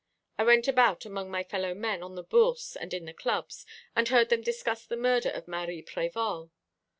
I went about among my fellow men on the Bourse and in the clubs, and heard them discuss the murder of Marie Prévol.